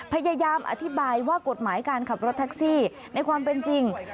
พยายามอธิบายว่ากฎหมายการขับรถแท็กซี่ในความเป็นจริง